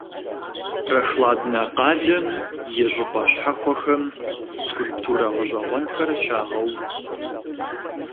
Прохладнэ къалэм и щӀыпӀэ щхьэхуэхэм скульптурэ гъэщӀэгъуэнхэр щагъэув.